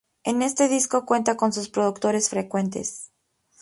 En este disco cuenta con sus productores frecuentes.